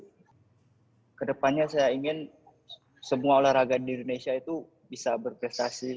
jadi ke depannya saya ingin semua olahraga di indonesia itu bisa berprestasi